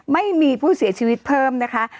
ไม่มีผู้เสียชีวิตเพิ่มนะคะ